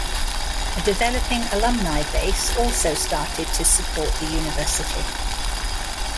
A developing alumni base also started to support the University.